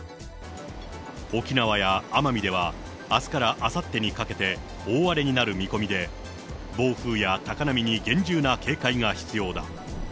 沖縄や奄美では、あすからあさってにかけて大荒れになる見込みで、暴風や高波に厳重な警戒が必要だ。